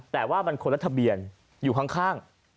แต่ว่ามันคนละทะเบียนอยู่ข้าง